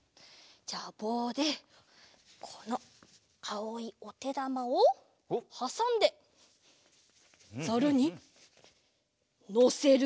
じゃあぼうでこのあおいおてだまをはさんでザルにのせる。